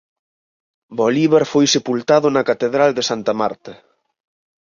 Bolívar foi sepultado na catedral de Santa Marta.